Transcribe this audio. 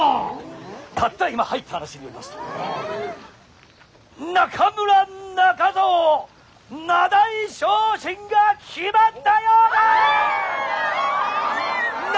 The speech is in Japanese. たった今入った話によりますと中村中蔵名題昇進が決まったようだ！